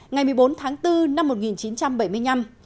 ngày một mươi bốn tháng bốn năm một nghìn chín trăm bảy mươi năm